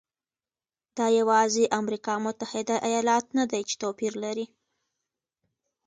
دا یوازې امریکا متحده ایالات نه دی چې توپیر لري.